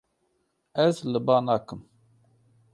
Ez li ba nakim.